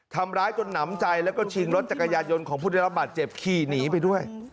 ทำร้ายจนหนำใจแล้วก็ชิงรถจักรยานยนต์ของผู้ได้รับบาดเจ็บขี่หนีไปด้วย